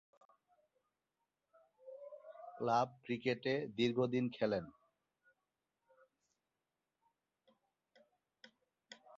Club ক্রিকেটে দীর্ঘদিন খেলেন।